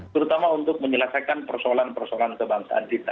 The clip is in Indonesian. terutama untuk menyelesaikan persoalan persoalan kebangsaan kita